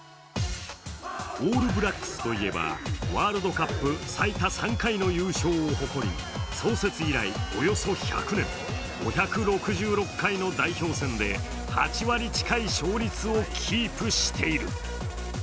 オールブラックスといえばワールドカップ最多３回の優勝を誇り創設以来、およそ１００年、５６６回の代表戦で８割近い勝率をキープしている。